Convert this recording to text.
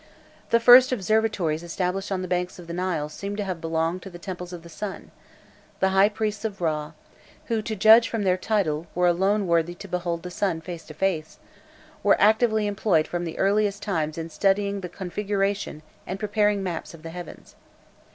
The first observatories established on the banks of the Nile seem to have belonged to the temples of the sun; the high priests of Râ who, to judge from their title, were alone worthy to behold the sun face to face were actively employed from the earliest times in studying the configuration and preparing maps of the heavens.